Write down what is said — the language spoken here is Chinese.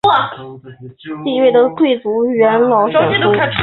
首席元老是从带有执政官的地位的贵族元老选出。